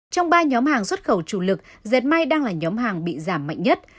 trong ba nhóm hàng xuất khẩu chủ lực dệt may đang là nhóm hàng bị giảm mạnh nhất